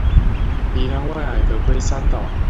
宜蘭外海的龜山島